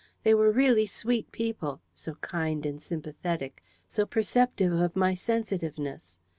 They were really sweet people so kind and sympathetic, so perceptive of my sensitiveness.